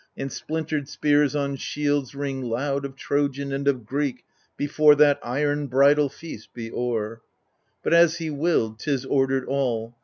And splintered spears on shields ring loud, Of Trojan and of Greek, before That iron bridal feast be o'er ! But as he willed 'tis ordered all.